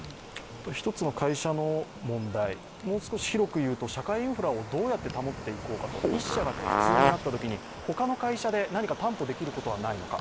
１つの会社の問題、もう少し広く言うと、社会インフラをどうやって保っていこうか、１社が不通になったときに他の会社で何か担保できることはないのか